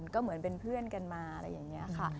ก็เหมือนเป็นเพื่อนกันมาอะไรอย่างนี้ค่ะ